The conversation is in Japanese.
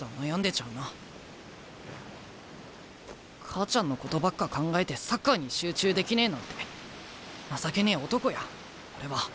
母ちゃんのことばっか考えてサッカーに集中できねえなんて情けねえ男や俺は。